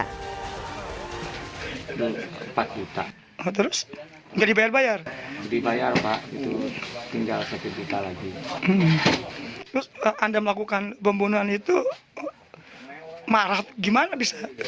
ketika melakukan pembunuhan itu marah gimana bisa